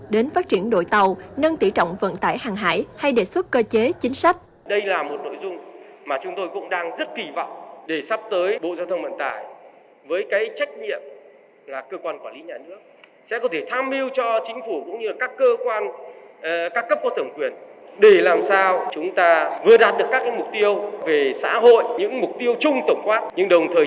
đến phát triển đội tàu nâng tỉ trọng vận tải hàng hải hay đề xuất cơ chế chính sách